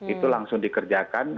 itu langsung dikerjakan